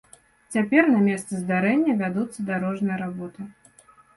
Цяпер на месцы здарэння вядуцца дарожныя работы.